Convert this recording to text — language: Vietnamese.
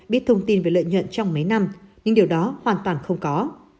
biết thông tin về lợi nhuận trong mấy năm nhưng điều đó hoàn toàn không có